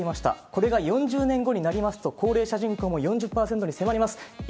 これが４０年後になりますと、高齢者人口の４０％に迫ります。